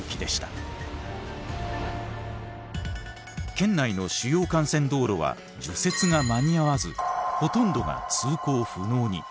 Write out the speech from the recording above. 県内の主要幹線道路は除雪が間に合わずほとんどが通行不能に。